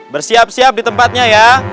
bersiap siap di tempatnya ya